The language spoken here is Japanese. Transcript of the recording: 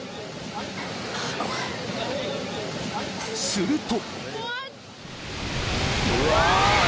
［すると］